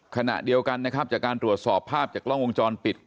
ขณะเดียวกันนะครับจากการตรวจสอบภาพจากกล้องวงจรปิด